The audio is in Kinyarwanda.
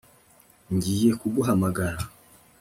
Ngiye kuguhamagara